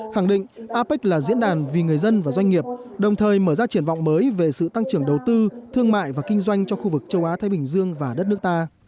khẳng định apec là diễn đàn vì người dân và doanh nghiệp đồng thời mở ra triển vọng mới về sự tăng trưởng đầu tư thương mại và kinh doanh cho khu vực châu á thái bình dương và đất nước ta